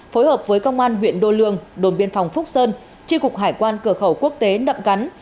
phối hợp với công an huyện đô lương đồn biên phòng phúc sơn tri cục hải quan cửa khẩu quốc tế nậm cắn